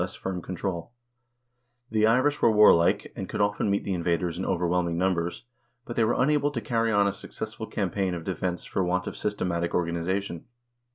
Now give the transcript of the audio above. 62 HISTORY OF THE NORWEGIAN PEOPLE were warlike, and could often meet the invaders in overwhelming numbers, but they were unable to carry on a successful campaign of defense for want of systematic organization.